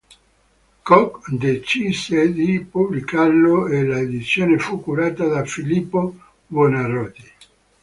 Coke decise di pubblicarlo e l'edizione fu curata da Filippo Buonarroti.